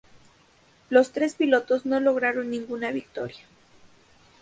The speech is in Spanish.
Los tres pilotos no lograron ninguna victoria.